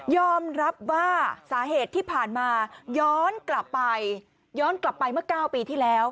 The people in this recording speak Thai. อมรับว่าสาเหตุที่ผ่านมาย้อนกลับไปย้อนกลับไปเมื่อ๙ปีที่แล้ว